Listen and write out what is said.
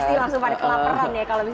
pasti langsung pada kelaperan ya kalau bisa